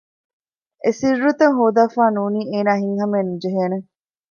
އެސިއްރުތައް ހޯދާފަ ނޫނީ އޭނާ ހިތް ހަމައެއް ނުޖެހޭނެ